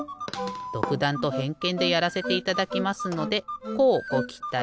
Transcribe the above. どくだんとへんけんでやらせていただきますのでこうごきたい。